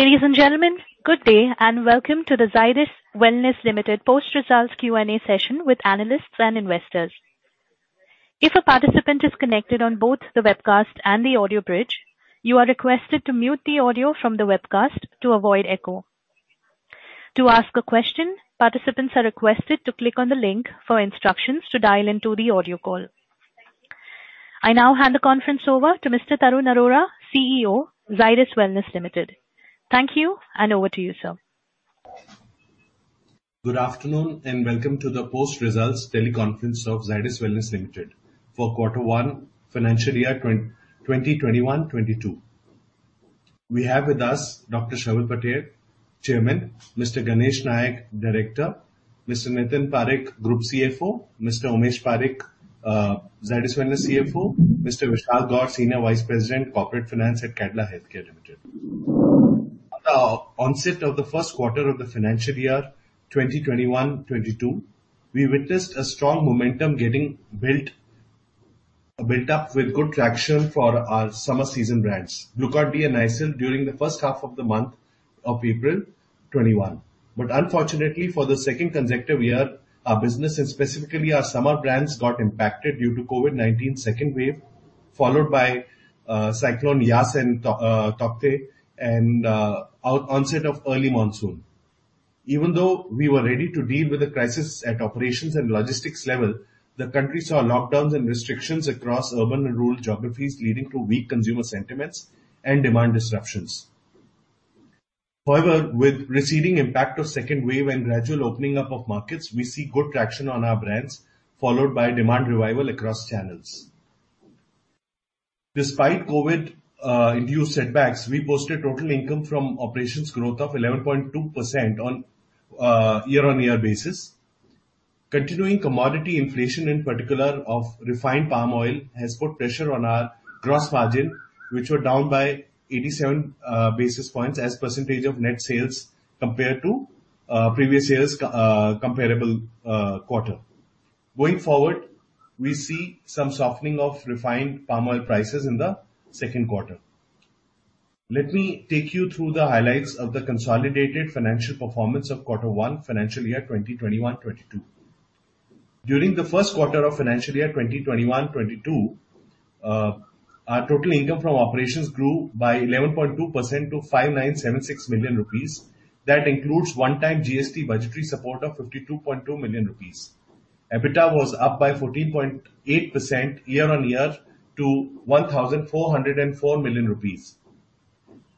Ladies and gentlemen, good day and welcome to the Zydus Wellness Limited post-results Q&A session with analysts and investors. I now hand the conference over to Mr. Tarun Arora, CEO, Zydus Wellness Limited. Thank you, and over to you, sir. Good afternoon and welcome to the post-results teleconference of Zydus Wellness Limited for Quarter One, Financial Year 2021-22. We have with us Dr. Sharvil Patel, Chairman, Mr. Ganesh Nayak, Director, Mr. Nitin Parekh, Group CFO, Mr. Umesh Parikh, Zydus Wellness CFO, Mr. Vishal Gaur, Senior Vice President, Corporate Finance at Cadila Healthcare Limited. At the onset of the first quarter of the Financial Year 2021-22, we witnessed a strong momentum getting built up with good traction for our summer season brands, Glucon-D and Nycil, during the first half of the month of April 2021. Unfortunately, for the second consecutive year, our business and specifically our summer brands got impacted due to COVID-19 second wave, followed by Cyclone Yaas and Cyclone Tauktae and onset of early monsoon. Even though we were ready to deal with the crisis at operations and logistics level, the country saw lockdowns and restrictions across urban and rural geographies leading to weak consumer sentiments and demand disruptions. With receding impact of second wave and gradual opening up of markets, we see good traction on our brands, followed by demand revival across channels. Despite COVID-induced setbacks, we posted total income from operations growth of 11.2% on year-on-year basis. Continuing commodity inflation, in particular of refined palm oil, has put pressure on our gross margin, which were down by 87 basis points as % of net sales compared to previous year's comparable quarter. Going forward, we see some softening of refined palm oil prices in the second quarter. Let me take you through the highlights of the consolidated financial performance of Quarter One, Financial Year 2021/22. During the first quarter of Financial Year 2021/22, our total income from operations grew by 11.2% to 5,976 million rupees. That includes one-time GST budgetary support of 52.2 million rupees. EBITDA was up by 14.8% year-on-year to INR 1,404 million.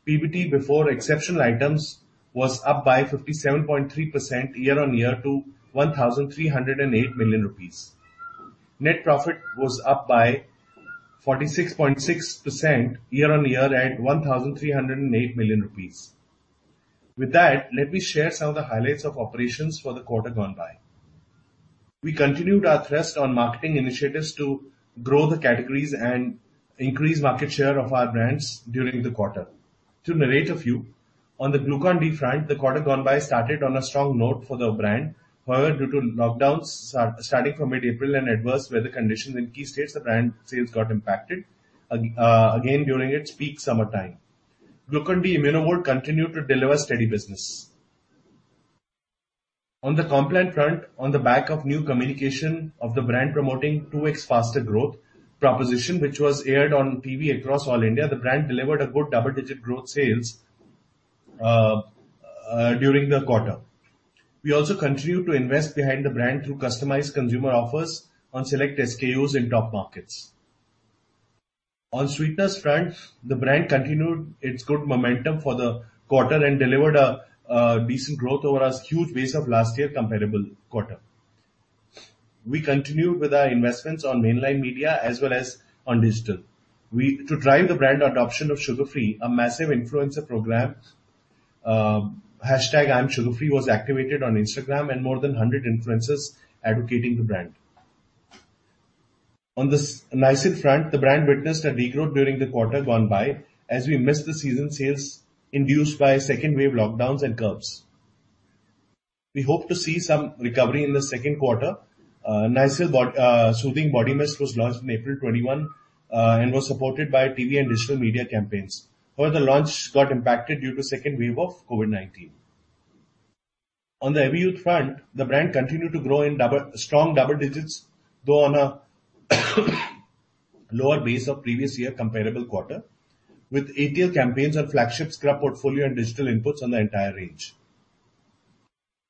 PBT before exceptional items was up by 57.3% year-on-year to 1,308 million rupees. Net profit was up by 46.6% year-on-year at 1,308 million rupees. With that, let me share some of the highlights of operations for the quarter gone by. We continued our thrust on marketing initiatives to grow the categories and increase market share of our brands during the quarter. To narrate a few, on the Glucon-D front, the quarter gone by started on a strong note for the brand. However, due to lockdowns starting from mid-April and adverse weather conditions in key states, the brand sales got impacted again during its peak summertime. Glucon-D ImmunoVolt continued to deliver steady business. On the Complan front, on the back of new communication of the brand promoting 2X faster growth proposition, which was aired on TV across all India, the brand delivered a good double-digit growth sales during the quarter. We also continued to invest behind the brand through customized consumer offers on select SKUs in top markets. On Sweeteners' front, the brand continued its good momentum for the quarter and delivered a decent growth over a huge base of last year comparable quarter. We continued with our investments on mainline media as well as on digital. To drive the brand adoption of Sugar Free, a massive influencer program, #ImSugarFree, was activated on Instagram and more than 100 influencers advocating the brand. On the Nycil front, the brand witnessed a degrowth during the quarter gone by as we missed the season sales induced by second wave lockdowns and curves. We hope to see some recovery in the second quarter. Nycil Soothing Body Mist was launched in April 2021 and was supported by TV and digital media campaigns. Further launch got impacted due to second wave of COVID-19. On the Everyuth front, the brand continued to grow in strong double digits, though on a lower base of previous year comparable quarter, with ATL campaigns on flagship scrub portfolio and digital inputs on the entire range.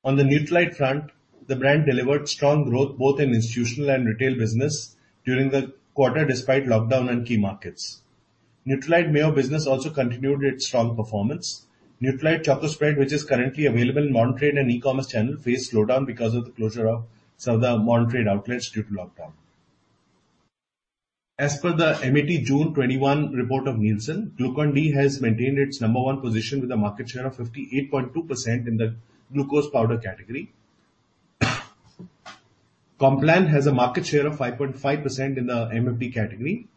On the Nutralite front, the brand delivered strong growth both in institutional and retail business during the quarter, despite lockdown in key markets. Nutralite Mayo business also continued its strong performance. Nutralite Choco Spread, which is currently available in modern trade and e-commerce channel, faced slowdown because of the closure of some of the modern trade outlets due to lockdown. As per the MAT June 2021 report of Nielsen, Glucon-D has maintained its number one position with a market share of 58.2% in the glucose powder category. Complan has a market share of 5.5% in the MFD category.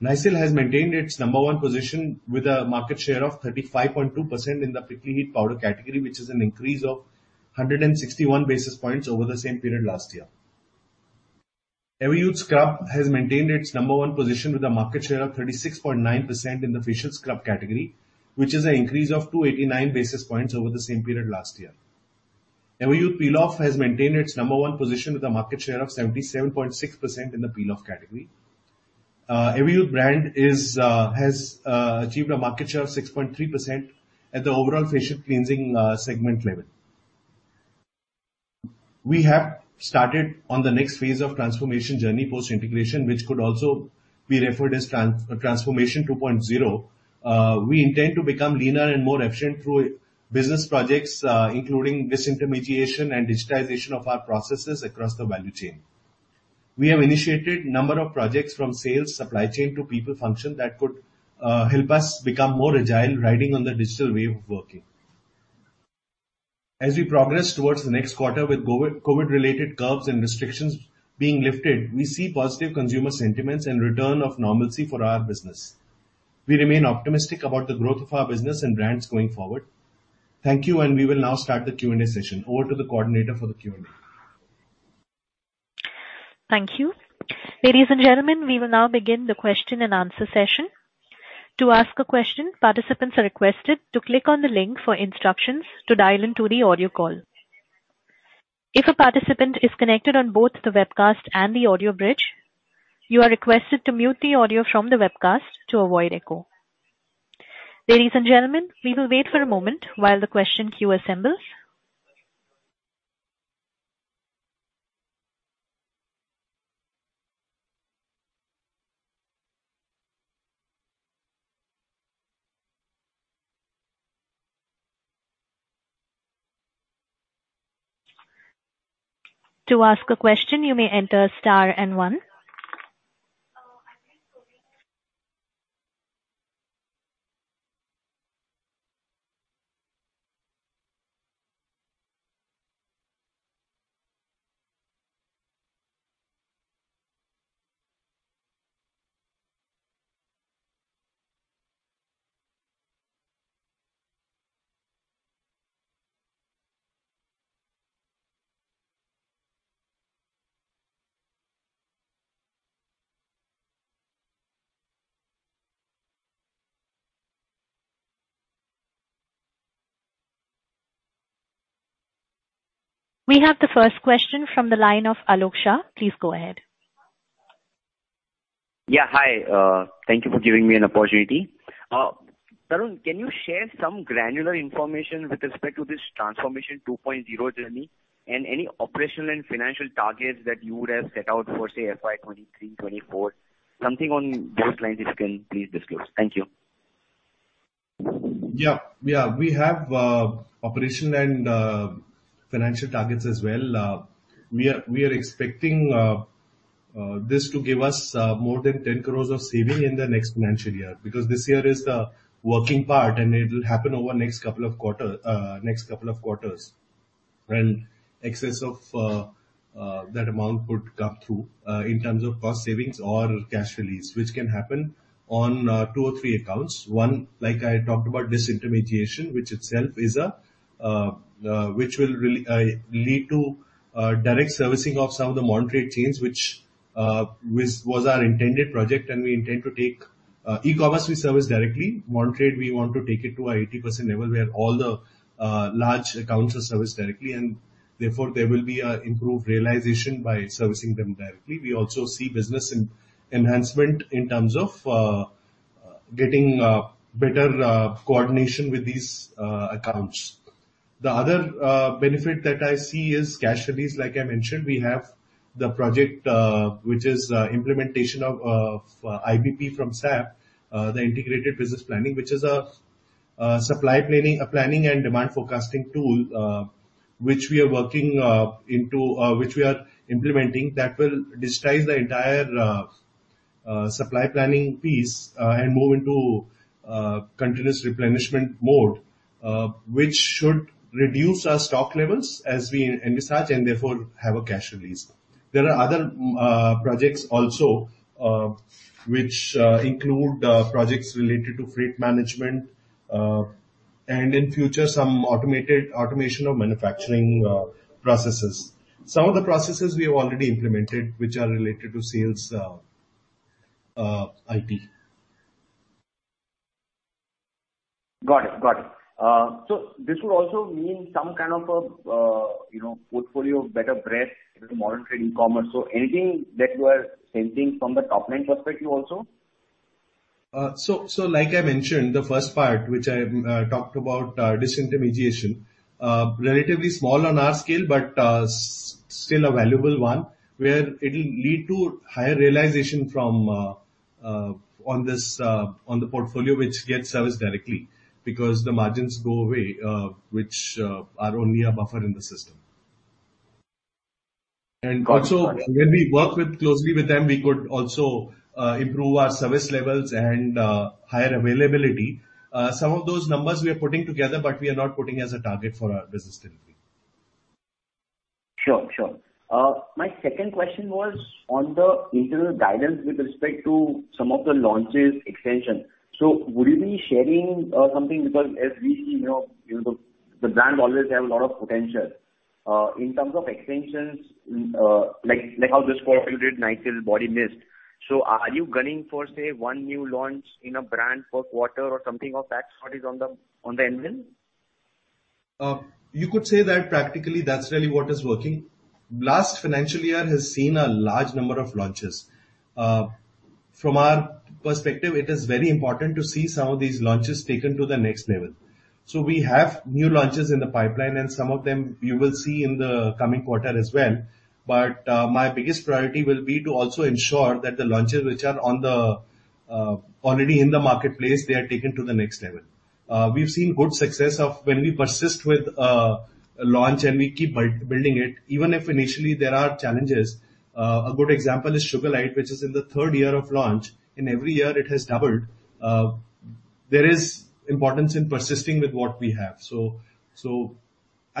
Nycil has maintained its number one position with a market share of 35.2% in the prickly heat powder category, which is an increase of 161 basis points over the same period last year. Everyuth Scrub has maintained its number one position with a market share of 36.9% in the facial scrub category, which is an increase of 289 basis points over the same period last year. Everyuth Peel Off has maintained its number one position with a market share of 77.6% in the peel off category. Everyuth brand has achieved a market share of 6.3% at the overall facial cleansing segment level. We have started on the next phase of transformation journey, post-integration, which could also be referred as Transformation 2.0. We intend to become leaner and more efficient through business projects, including disintermediation and digitization of our processes across the value chain. We have initiated number of projects from sales, supply chain to people function that could help us become more agile riding on the digital way of working. As we progress towards the next quarter with COVID-related curves and restrictions being lifted, we see positive consumer sentiments and return of normalcy for our business. We remain optimistic about the growth of our business and brands going forward. Thank you, and we will now start the Q&A session. Over to the coordinator for the Q&A. Thank you. Ladies and gentlemen, we will now begin the question and answer session. Ladies and gentlemen, we will wait for a moment while the question queue assembles. To ask a question, you may enter star and one. We have the first question from the line of Alok Shah. Please go ahead. Yeah. Hi. Thank you for giving me an opportunity. Tarun, can you share some granular information with respect to this Transformation 2.0 journey and any operational and financial targets that you would have set out for, say, FY 2023, 2024? Something on those lines, if you can please disclose. Thank you. Yeah. We have operation and financial targets as well. We are expecting this to give us more than 10 crores of saving in the next financial year, because this year is the working part, and it will happen over next couple of quarters. Excess of that amount would come through, in terms of cost savings or cash release, which can happen on two or three accounts. One, like I talked about disintermediation, which will lead to direct servicing of some of the modern trade chains, which was our intended project, and we intend to take E-commerce, we service directly. Modern trade, we want to take it to a 80% level, where all the large accounts are serviced directly. Therefore, there will be improved realization by servicing them directly. We also see business enhancement in terms of getting better coordination with these accounts. The other benefit that I see is cash release. Like I mentioned, we have the project, which is implementation of IBP from SAP, the integrated business planning, which is a supply planning and demand forecasting tool, which we are implementing that will digitize the entire supply planning piece, and move into continuous replenishment mode, which should reduce our stock levels as we envisage, and therefore have a cash release. There are other projects also, which include projects related to fleet management, and in future, some automation of manufacturing processes. Some of the processes we have already implemented, which are related to sales IP. Got it. This would also mean some kind of a portfolio of better breadth into modern trade, e-commerce. Anything that you are sensing from the top-line perspective also? Like I mentioned, the first part, which I talked about disintermediation, relatively small on our scale, but still a valuable one, where it'll lead to higher realization on the portfolio which gets serviced directly, because the margins go away, which are only a buffer in the system. Got it. Also, when we work closely with them, we could also improve our service levels and higher availability. Some of those numbers we are putting together, but we are not putting as a target for our business delivery. Sure. My second question was on the internal guidance with respect to some of the launches extension. Would you be sharing something, because as we see, the brand always have a lot of potential in terms of extensions, like how this quarter you did Nycil body mist. Are you gunning for, say, one new launch in a brand per quarter or something of that sort is on the anvil? You could say that practically that's really what is working. Last financial year has seen a large number of launches. From our perspective, it is very important to see some of these launches taken to the next level. We have new launches in the pipeline, and some of them you will see in the coming quarter as well. My biggest priority will be to also ensure that the launches which are already in the marketplace, they are taken to the next level. We've seen good success of when we persist with a launch and we keep building it, even if initially there are challenges. A good example is Sugarlite, which is in the third year of launch. In every year it has doubled. There is importance in persisting with what we have.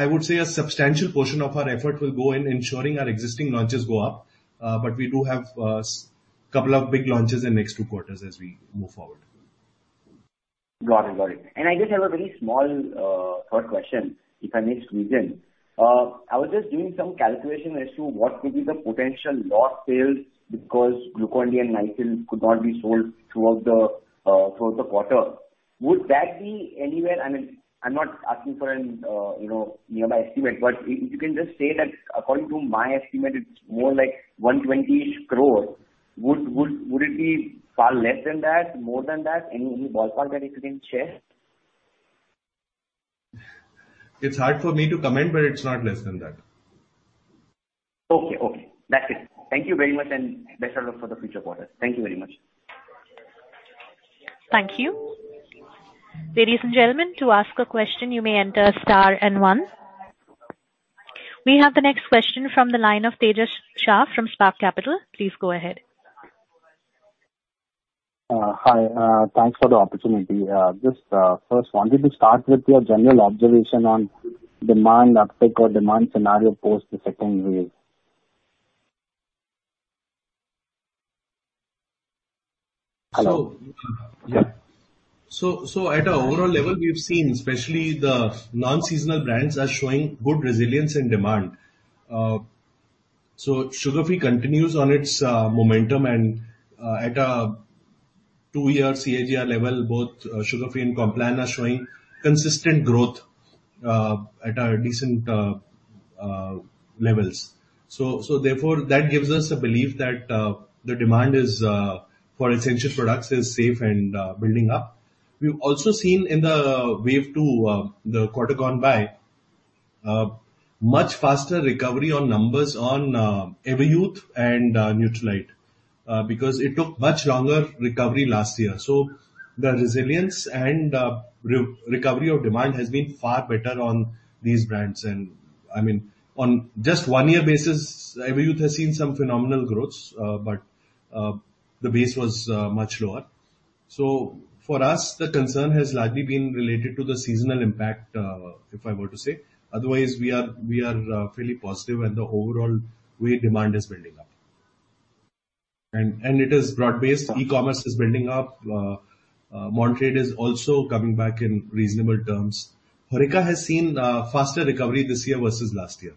I would say a substantial portion of our effort will go in ensuring our existing launches go up. We do have couple of big launches in next two quarters as we move forward. Got it. I just have a very small third question, if I may squeeze in. I was just doing some calculation as to what could be the potential loss sales because Glucon-D and Nycil could not be sold throughout the quarter. Would that be anywhere, I am not asking for a nearby estimate, but if you can just say that according to my estimate, it is more like 120 crore. Would it be far less than that, more than that? Any ballpark that you can share? It's hard for me to comment, but it's not less than that. Okay. That's it. Thank you very much and best of luck for the future quarters. Thank you very much. Thank you. Ladies and gentlemen, to ask a question, you may enter star and one. We have the next question from the line of Tejas Shah from Spark Capital. Please go ahead. Hi. Thanks for the opportunity. Just first wanted to start with your general observation on demand uptake or demand scenario, post the second wave. Hello? At an overall level, we've seen especially the non-seasonal brands are showing good resilience in demand. Sugar Free continues on its momentum and at a 2-year CAGR level, both Sugar Free and Complan are showing consistent growth at a decent levels. Therefore, that gives us a belief that the demand for essential products is safe and building up. We've also seen in the wave two, the quarter gone by, much faster recovery on numbers on Everyuth and Nutralite, because it took much longer recovery last year. The resilience and recovery of demand has been far better on these brands. On just 1-year basis, Everyuth has seen some phenomenal growths. The base was much lower. For us, the concern has largely been related to the seasonal impact, if I were to say. Otherwise, we are fairly positive and the overall wave demand is building up. It is broad-based. E-commerce is building up. Modern trade is also coming back in reasonable terms. HoReCa has seen faster recovery this year versus last year.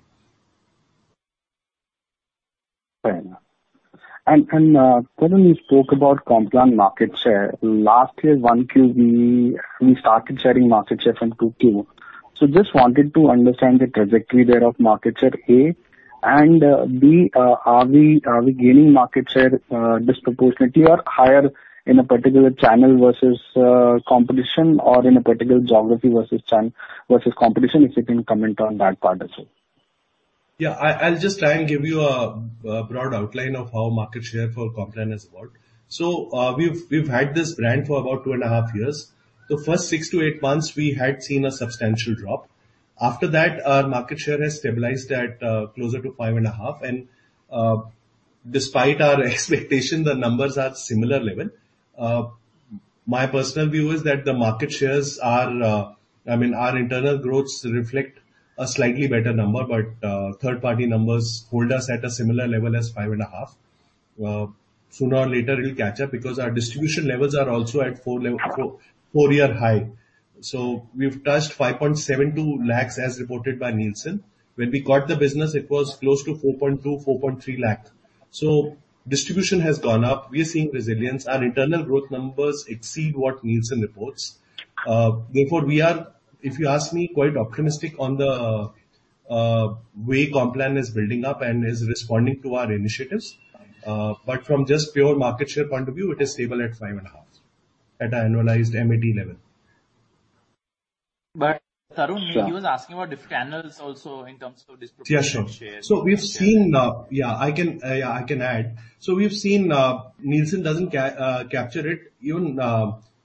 Fair enough. Tarun, you spoke about Complan market share. Last year, 1Q we started sharing market share from 2Q. Just wanted to understand the trajectory there of market share, A, and B, are we gaining market share disproportionately or higher in a particular channel versus competition or in a particular geography versus competition? If you can comment on that part as well. Yeah. I'll just try and give you a broad outline of how market share for Complan has evolved. We've had this brand for about two and a half years. The first 6-8 months, we had seen a substantial drop. After that, our market share has stabilized at closer to five and a half, and despite our expectation, the numbers are similar level. My personal view is that our internal growths reflect a slightly better number. Third-party numbers hold us at a similar level as five and a half. Sooner or later it'll catch up because our distribution levels are also at 4-year high. We've touched 5.72 lakh, as reported by Nielsen. When we got the business, it was close to 4.2 lakh-4.3 lakh. Distribution has gone up. We are seeing resilience. Our internal growth numbers exceed what Nielsen reports. We are, if you ask me, quite optimistic on the way Complan is building up and is responding to our initiatives. From just pure market share point of view, it is stable at five and a half at an annualized MAT level. Tarun, he was asking about different channels also in terms of distribution share. Yeah, sure. We've seen Yeah, I can add. We've seen Nielsen doesn't capture it. Even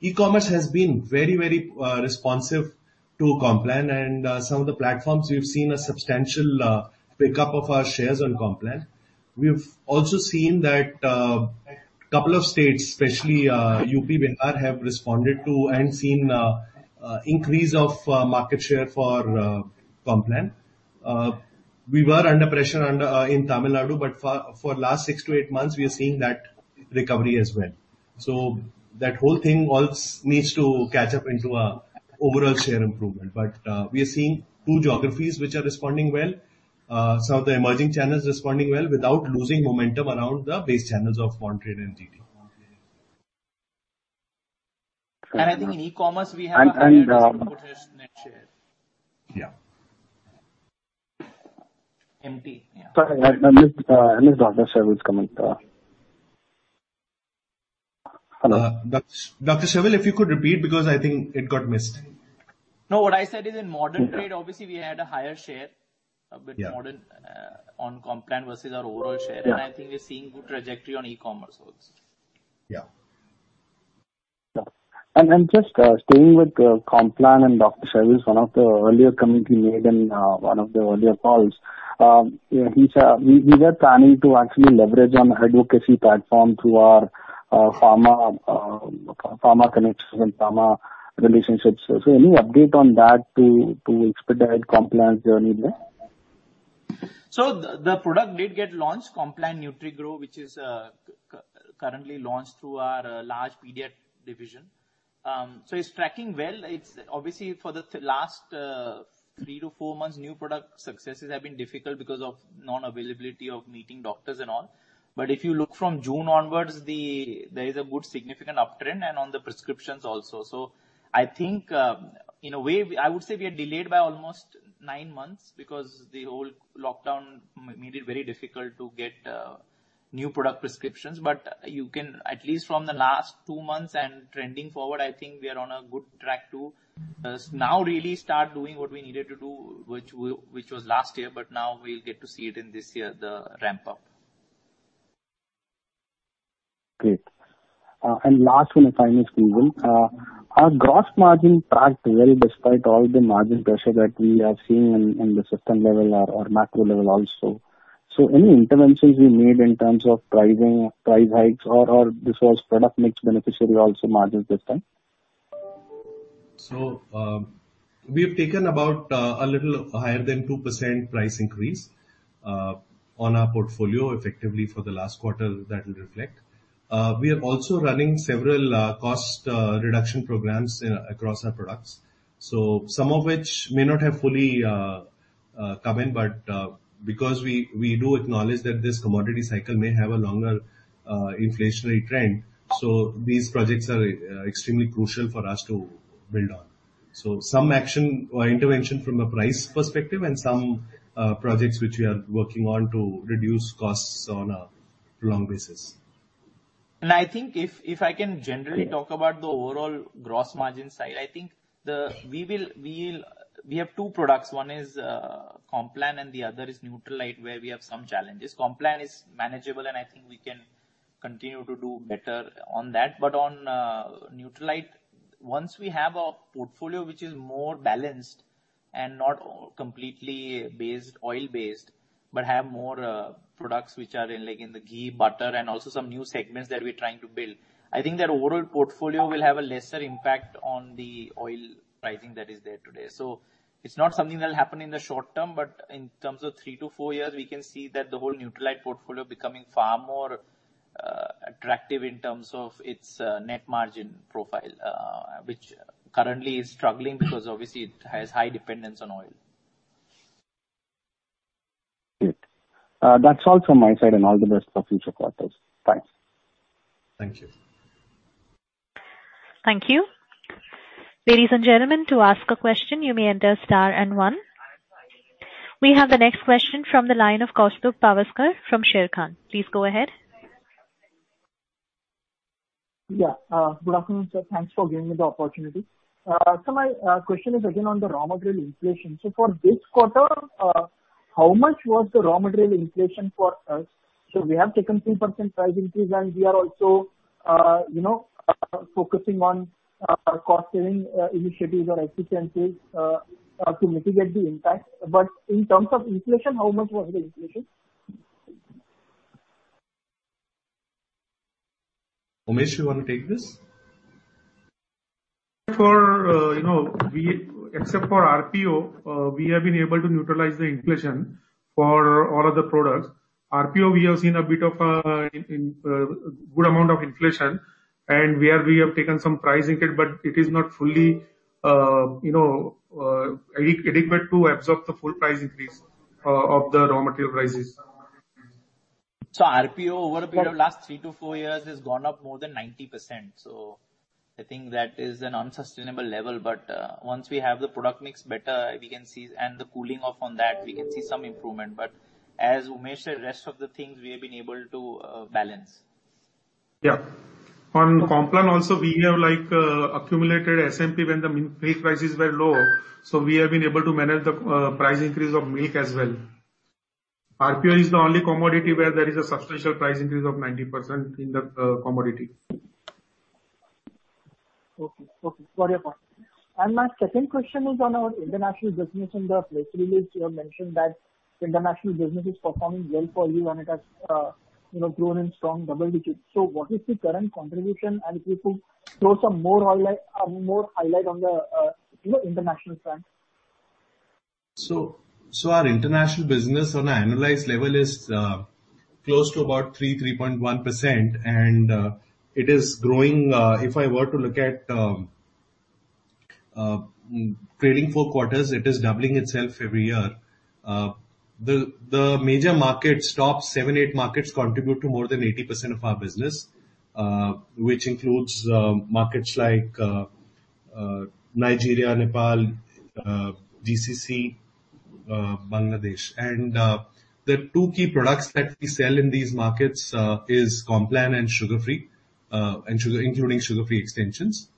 e-commerce has been very responsive to Complan, and some of the platforms we've seen a substantial pickup of our shares on Complan. We've also seen that couple of states, especially UP, Bihar, have responded to and seen increase of market share for Complan. We were under pressure in Tamil Nadu, but for last six to eight months, we are seeing that recovery as well. That whole thing also needs to catch up into our overall share improvement. We are seeing two geographies which are responding well. Some of the emerging channels responding well without losing momentum around the base channels of modern trade and TT. I think in e-commerce we have a higher net share. Yeah. MAT. Yeah. Sorry, I missed Dr. Sharvil Patel's comment. Hello. Dr. Sharvil Patel, if you could repeat, because I think it got missed. No, what I said is in modern trade, obviously we had a higher share. Yeah a bit modern on Complan versus our overall share. Yeah. I think we are seeing good trajectory on e-commerce also. Yeah. Yeah. Just staying with Complan and Dr. Sharvil Patel's, one of the earlier comment you made in one of the earlier calls, we were planning to actually leverage on advocacy platform through our pharma connections and pharma relationships. Any update on that to expedite Complan's journey there? The product did get launched, Complan NutriGro, which is currently launched through our large pediatric division. It's tracking well. Obviously, for the last three to four months, new product successes have been difficult because of non-availability of meeting doctors and all. If you look from June onwards, there is a good significant uptrend and on the prescriptions also. I think, in a way, I would say we are delayed by almost nine months because the whole lockdown made it very difficult to get new product prescriptions. You can at least from the last two months and trending forward, I think we are on a good track to now really start doing what we needed to do, which was last year, but now we'll get to see it in this year, the ramp-up. Great. Last one, if I may squeeze in. Our gross margin tracked well despite all the margin pressure that we have seen in the system level or macro level also. Any interventions we made in terms of pricing, price hikes, or this was product mix beneficiary also margin this time? We have taken about a little higher than 2% price increase on our portfolio effectively for the last quarter that will reflect. We are also running several cost reduction programs across our products. Some of which may not have fully come in, but because we do acknowledge that this commodity cycle may have a longer inflationary trend. These projects are extremely crucial for us to build on. Some action or intervention from a price perspective and some projects which we are working on to reduce costs on a long basis. I think if I can generally talk about the overall gross margin side, I think we have two products. One is Complan and the other is Nutralite, where we have some challenges. Complan is manageable, and I think we can continue to do better on that. On Nutralite, once we have a portfolio which is more balanced and not completely oil-based, but have more products which are in the ghee, butter, and also some new segments that we're trying to build. I think that overall portfolio will have a lesser impact on the oil pricing that is there today. It's not something that'll happen in the short term, but in terms of 3-4 years, we can see that the whole Nutralite portfolio becoming far more attractive in terms of its net margin profile, which currently is struggling because obviously it has high dependence on oil. Great. That's all from my side and all the best for future quarters. Bye. Thank you. Thank you. We have the next question from the line of Kaustubh Pawaskar from Sharekhan. Please go ahead. Yeah. Good afternoon, sir. Thanks for giving me the opportunity. My question is again on the raw material inflation. For this quarter, how much was the raw material inflation for us? We have taken 3% price increase, and we are also focusing on cost-saving initiatives or efficiencies to mitigate the impact. In terms of inflation, how much was the inflation? Umesh, you want to take this? Except for RPO, we have been able to neutralize the inflation for all other products. RPO, we have seen a good amount of inflation, and we have taken some price increase, but it is not fully adequate to absorb the full price increase of the raw material prices. RPO over a period of last 3-4 years has gone up more than 90%. I think that is an unsustainable level. Once we have the product mix better and the cooling off on that, we can see some improvement. As Umesh said, rest of the things we have been able to balance. Yeah. On Complan also we have accumulated SMP when the milk prices were low, so we have been able to manage the price increase of milk as well. RPO is the only commodity where there is a substantial price increase of 90% in the commodity. Okay. Got your point. My second question is on our international business. In the press release, you have mentioned that international business is performing well for you, and it has grown in strong double digits. What is the current contribution? If you could throw some more highlight on the international front. Our international business on an annualized level is close to about 3%-3.1%, and it is growing. If I were to look at trailing four quarters, it is doubling itself every year. The major markets, top seven, eight markets contribute to more than 80% of our business, which includes markets like Nigeria, Nepal, GCC, Bangladesh. The two key products that we sell in these markets are Complan and Sugar Free, including Sugar Free extensions.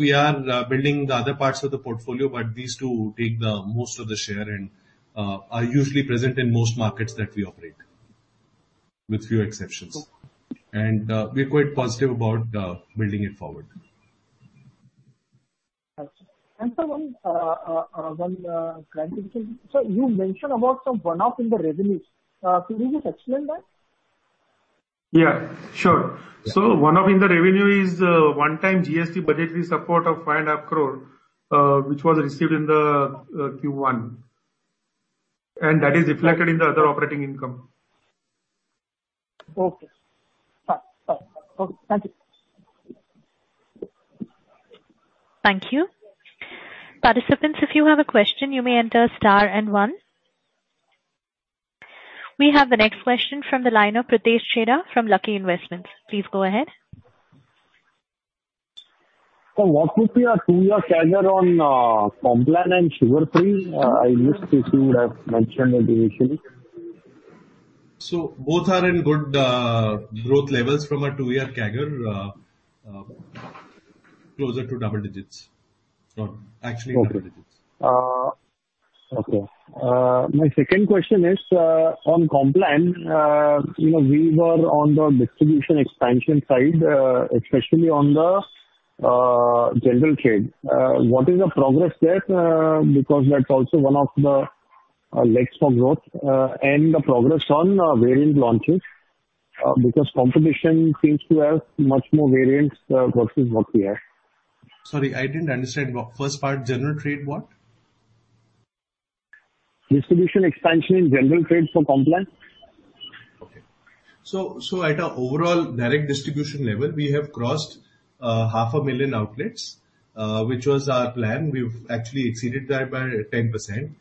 We are building the other parts of the portfolio, but these two take most of the share and are usually present in most markets that we operate, with few exceptions. Okay. We're quite positive about building it forward. Got you. Sir, one clarification. You mentioned about some one-off in the revenues. Could you please explain that? Yeah. Sure. One-off in the revenue is a one-time GST budgetary support of five and a half crore, which was received in the Q1, and that is reflected in the other operating income. Okay. Thank you. Thank you. We have the next question from the line of Pritesh Chheda from Lucky Investment Managers. Please go ahead. Sir, what is your 2-year CAGR on Complan and Sugar Free? I missed if you have mentioned it initially. Both are in good growth levels from a 2-year CAGR, closer to double digits. No, actually double digits. Okay. My second question is, on Complan, we were on the distribution expansion side, especially on the general trade. What is the progress there? That's also one of the legs for growth, and the progress on variant launches, because competition seems to have much more variants versus what we have. Sorry, I didn't understand the first part. General trade what? Distribution expansion in general trade for Complan. Okay. At our overall direct distribution level, we have crossed 500,000 outlets, which was our plan. We've actually exceeded that by 10%,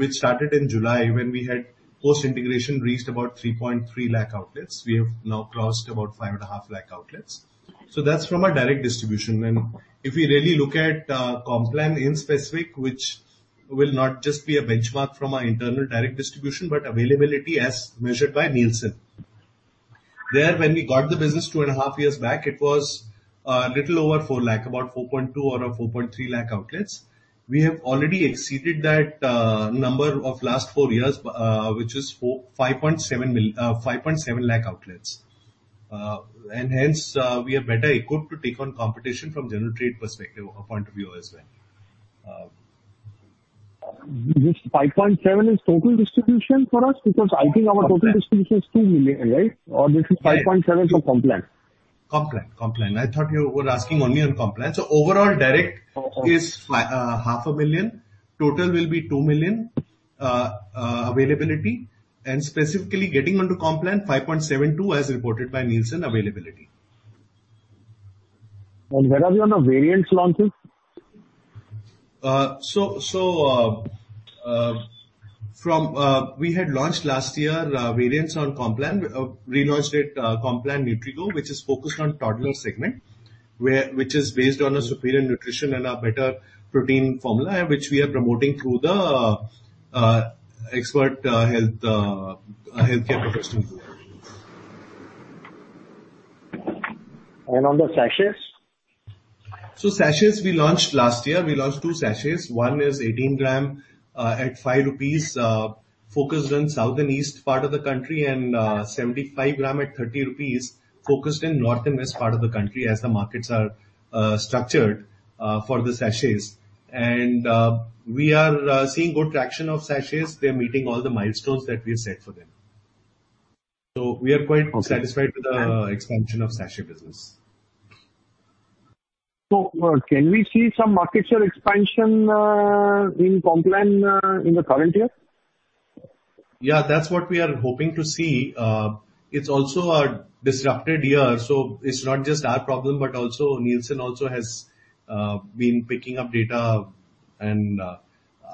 which started in July, when we had post-integration reached about 3.3 lakh outlets. We have now crossed about 5.5 lakh outlets. That's from our direct distribution. If we really look at Complan in specific, which will not just be a benchmark from our internal direct distribution, but availability as measured by Nielsen. There, when we got the business 2.5 years back, it was a little over 4 lakh, about INR 4.2lakh-INR 4.3 lakh outlets. We have already exceeded that number of last 4 years, which is 5.7 lakh outlets. Hence, we are better equipped to take on competition from general trade perspective or point of view as well. This 5.7 is total distribution for us? I think our total distribution is 2 million, right? This is 5.7 for Complan? Complan. I thought you were asking only on Complan. Overall direct is half a million. Total will be 2 million availability, and specifically getting onto Complan, 5.72 as reported by Nielsen availability. Where are we on the variants launches? We had launched last year variants on Complan, relaunched it Complan NutriGro, which is focused on toddler segment, which is based on a superior nutrition and a better protein formula, which we are promoting through the expert healthcare professional. On the sachets? Sachets we launched last year. We launched two sachets. One is 18 gram at 5 rupees, focused in southern east part of the country, and 75 gram at 30 rupees, focused in northern west part of the country as the markets are structured for the sachets. We are seeing good traction of sachets. They're meeting all the milestones that we have set for them. We are quite satisfied. Okay with the expansion of sachet business. Can we see some market share expansion in Complan in the current year? Yeah, that's what we are hoping to see. It's also a disrupted year, so it's not just our problem, but also Nielsen also has been picking up data and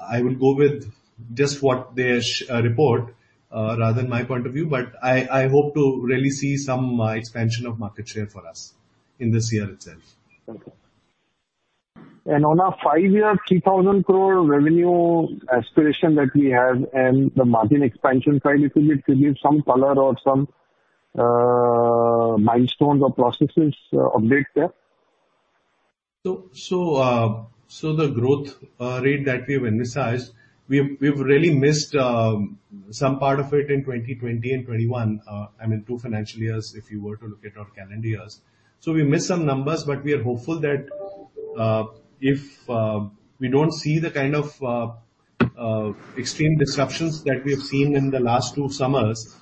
I will go with just what they report rather than my point of view. I hope to really see some expansion of market share for us in this year itself. Okay. On our 5-year, 3,000 crore revenue aspiration that we have and the margin expansion side, if you could give some color or some milestones or processes update there. The growth rate that we've emphasized, we've really missed some part of it in 2020 and 2021. I mean, two financial years, if you were to look at our calendar years. We missed some numbers, but we are hopeful that if we don't see the kind of extreme disruptions that we have seen in the last two summers.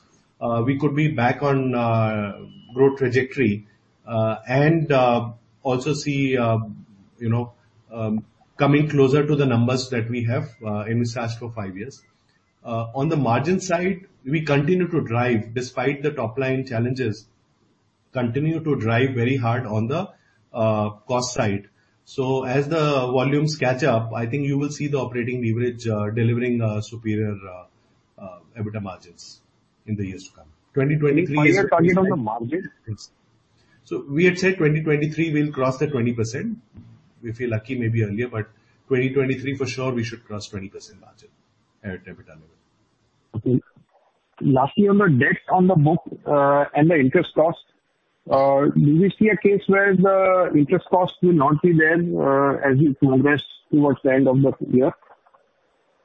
We could be back on growth trajectory, and also see coming closer to the numbers that we have in this dash for five years. On the margin side, we continue to drive despite the top-line challenges, continue to drive very hard on the cost side. As the volumes catch up, I think you will see the operating leverage delivering superior EBITDA margins in the years to come. 2023- What are your targets on the margin? We had said 2023, we'll cross the 20%. If we're lucky, maybe earlier, 2023 for sure, we should cross 20% margin, EBITDA margin. Lastly, on the debt on the book, and the interest cost, do we see a case where the interest cost will not be there, as we progress towards the end of the year?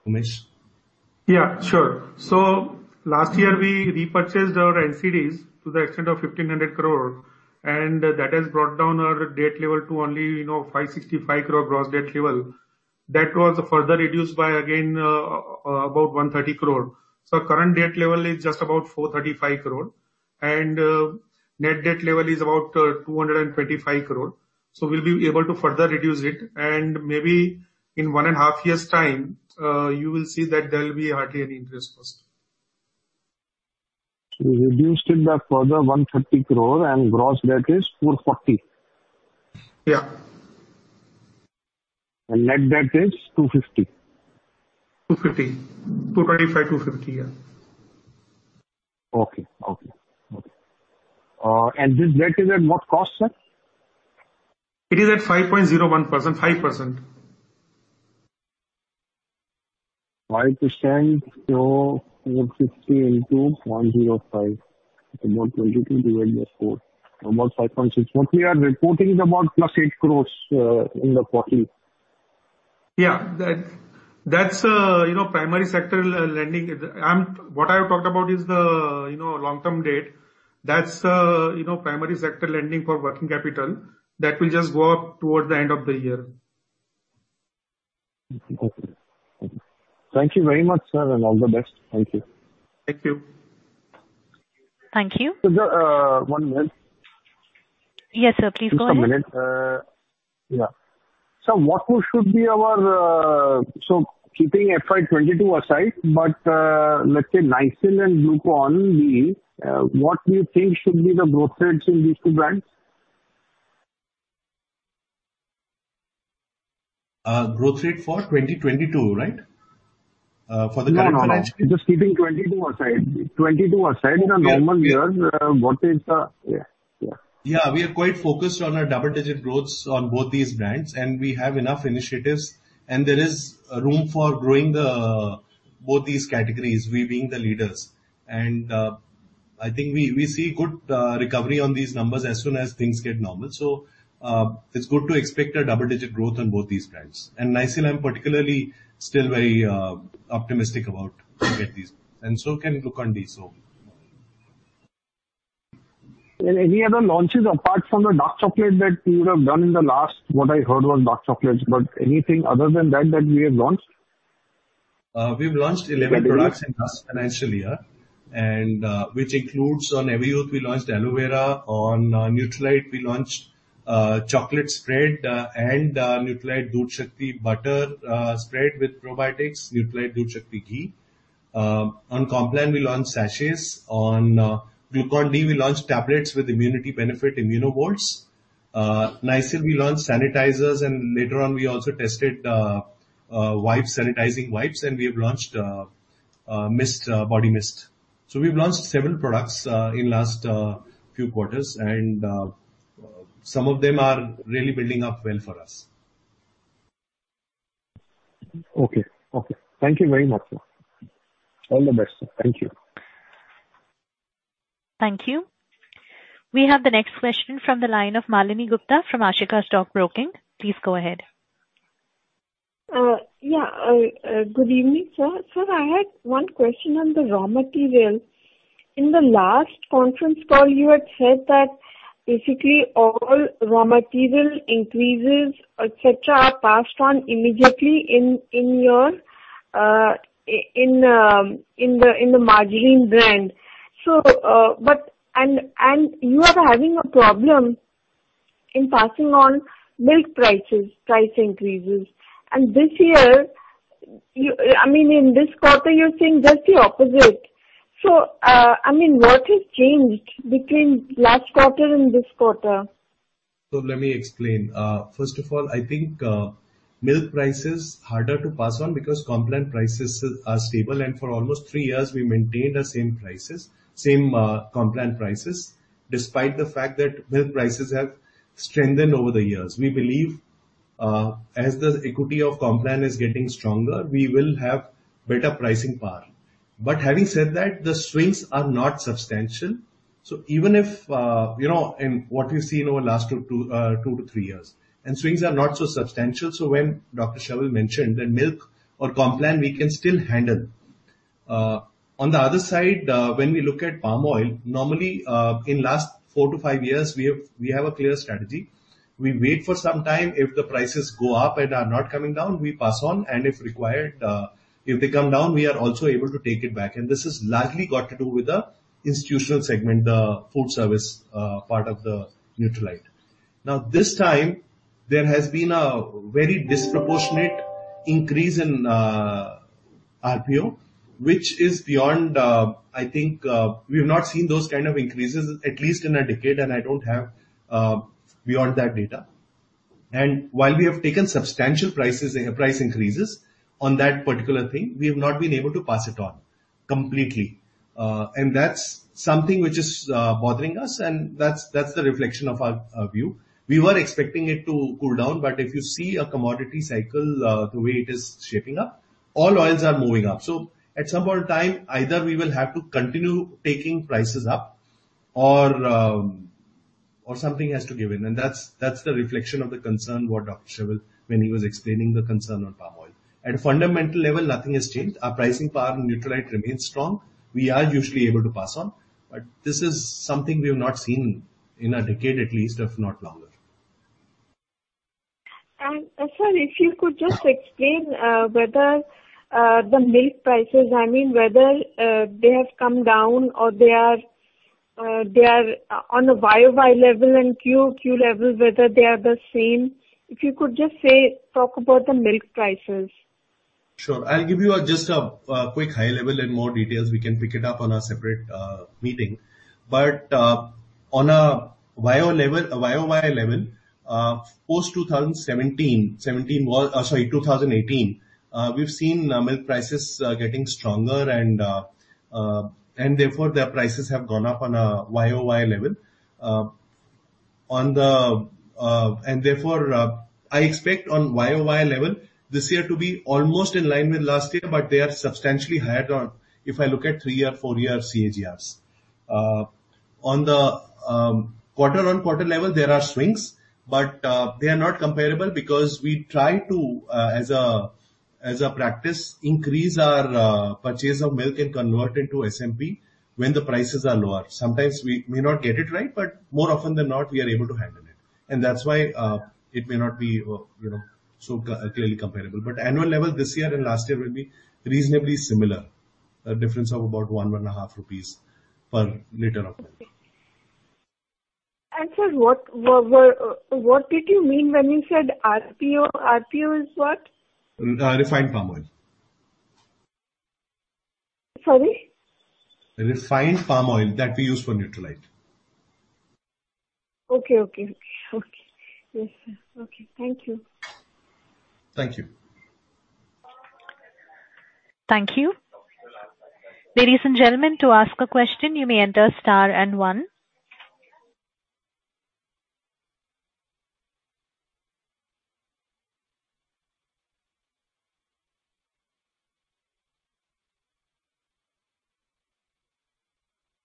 Umesh? Yeah, sure. Last year, we repurchased our NCDs to the extent of 1,500 crore. That has brought down our debt level to only 565 crore gross debt level. That was further reduced by, again, about 130 crore. Our current debt level is just about 435 crore. Net debt level is about 225 crore. We'll be able to further reduce it, and maybe in one and a half years' time, you will see that there'll be hardly any interest cost. You reduced it by further 130 crore, and gross debt is 440 crore? Yeah. Net debt is 250? 250, 225-250, yeah. Okay. This debt is at what cost, sir? It is at 5.01% or 5%. 5%, so 450 into 0.05. About 22.4. About 5.6. What we are reporting is about +8 crores, in the quarter. Yeah. That's priority sector lending. What I have talked about is the long-term debt, that's priority sector lending for working capital. That will just go up towards the end of the year. Okay. Thank you very much, sir, and all the best. Thank you. Thank you. Thank you. One minute. Yes, sir. Please go ahead. Just a minute. Yeah. Keeping FY 2022 aside, but let's say Nycil and Glucon-D, what do you think should be the growth rates in these two brands? Growth rate for 2022, right? For the current financial year. No, just keeping 2022 aside. Yeah the normal years, what is the Yeah. Yeah, we are quite focused on our double-digit growth on both these brands. We have enough initiatives, and there is room for growing both these categories, we being the leaders. I think we see good recovery on these numbers as soon as things get normal. It's good to expect a double-digit growth on both these brands. Nycil, I'm particularly still very optimistic about to get these. Can Glucon-D. Any other launches apart from the dark chocolate that you would have done in the last, what I heard was dark chocolates, but anything other than that we have launched? We've launched 11 products in last financial year, which includes on Everyuth, we launched aloe vera. On Nutralite, we launched chocolate spread, and Nutralite Doodh Shakti butter spread with probiotics, Nutralite Doodh Shakti ghee. On Complan, we launched sachets. On Glucon-D, we launched tablets with immunity benefit, ImmunoVolt. Nycil, we launched sanitizers, and later on, we also tested sanitizing wipes, and we have launched body mist. We've launched several products in last few quarters, and some of them are really building up well for us. Okay. Thank you very much, sir. All the best, sir. Thank you. Thank you. We have the next question from the line of Malini Gupta from Ashika Stock Broking. Please go ahead. Yeah. Good evening, sir. Sir, I had one question on the raw material. In the last conference call, you had said that basically all raw material increases, et cetera, are passed on immediately in the margin brand. You are having a problem in passing on milk prices, price increases. This year, in this quarter, you're seeing just the opposite. What has changed between last quarter and this quarter? Let me explain. First of all, I think milk price is harder to pass on because Complan prices are stable, and for almost 3 years, we maintained the same prices, same Complan prices, despite the fact that milk prices have strengthened over the years. We believe, as the equity of Complan is getting stronger, we will have better pricing power. Having said that, the swings are not substantial. Even if, in what we've seen over last 2-3 years, and swings are not so substantial, so when Dr. Sharvil Patel mentioned that milk or Complan, we can still handle. On the other side, when we look at palm oil, normally, in last 4-5 years, we have a clear strategy. We wait for some time, if the prices go up and are not coming down, we pass on. If required, if they come down, we are also able to take it back. This has largely got to do with the institutional segment, the food service part of the Nutralite. Now this time, there has been a very disproportionate increase in RPO, which is beyond I think we have not seen those kind of increases, at least in a decade, and I don't have beyond that data. While we have taken substantial price increases on that particular thing, we have not been able to pass it on completely. That's something which is bothering us, and that's the reflection of our view. We were expecting it to cool down, but if you see a commodity cycle, the way it is shaping up, all oils are moving up. At some point in time, either we will have to continue taking prices up or something has to give in. That's the reflection of the concern, what Dr. Sharvil Patel, when he was explaining the concern on palm oil. At a fundamental level, nothing has changed. Our pricing power on Nutralite remains strong. We are usually able to pass on, but this is something we have not seen in a decade at least, if not longer. Sir, if you could just explain whether the milk prices, I mean, whether they have come down or they are on a YOY level and QOQ level, whether they are the same. If you could just talk about the milk prices. Sure. I'll give you just a quick high level. In more details, we can pick it up on a separate meeting. On a YOY level, post 2018, we've seen milk prices getting stronger and therefore their prices have gone up on a YOY level. Therefore, I expect on YOY level this year to be almost in line with last year, but they are substantially higher if I look at 3-year, 4-year CAGRs. On the quarter-on-quarter level, there are swings, but they are not comparable because we try to, as a practice, increase our purchase of milk and convert into SMP when the prices are lower. Sometimes we may not get it right, but more often than not, we are able to handle it. That's why it may not be so clearly comparable. Annual level this year and last year will be reasonably similar. A difference of about one and a half rupees per liter of milk. Okay. Sir, what did you mean when you said RPO? RPO is what? Refined palm oil. Sorry? Refined palm oil that we use for Nutralite. Okay. Yes, sir. Okay. Thank you. Thank you. Thank you. Ladies and gentlemen, to ask a question, you may enter star and one.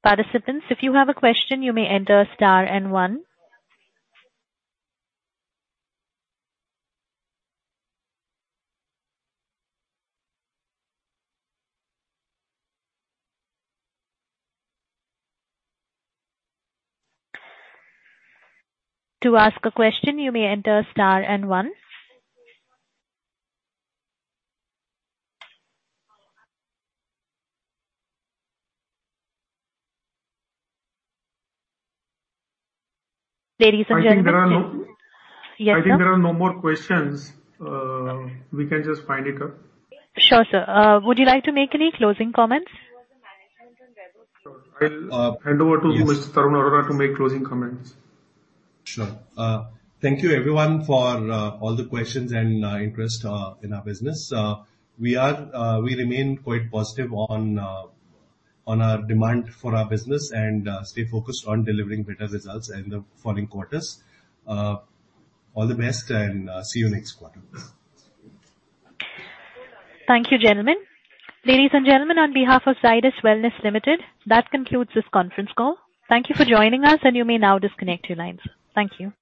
Participants, if you have a question, you may enter star and one. To ask a question, you may enter star and one. Ladies and gentlemen- I think there are no- Yes, sir. I think there are no more questions. Okay. We can just wind it up. Sure, sir. Would you like to make any closing comments? Sure. I'll hand over to Mr. Tarun Arora to make closing comments. Thank you everyone for all the questions and interest in our business. We remain quite positive on our demand for our business and stay focused on delivering better results in the following quarters. All the best and see you next quarter. Thank you, gentlemen. Ladies and gentlemen, on behalf of Zydus Wellness Limited, that concludes this conference call. Thank you for joining us, and you may now disconnect your lines. Thank you.